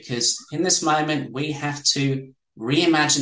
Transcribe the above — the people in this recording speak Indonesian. karena di saat ini kita harus mengelola keadaan emisi